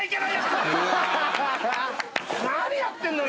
何やってんのよ！